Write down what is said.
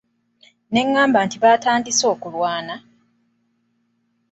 Nengamba nti batandise okulwana!